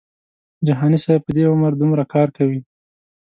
جهاني صاحب په دې عمر دومره کار کوي.